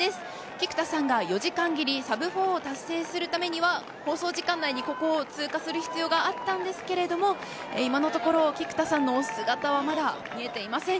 菊田さんが４時間切りサブ４を達成するためには放送時間内に、ここを通過する必要がありましたが今のところ菊田さんのお姿はまだ見えていません。